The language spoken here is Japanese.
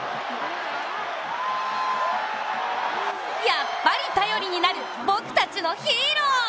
やっぱり頼りになる僕たちのヒーロー。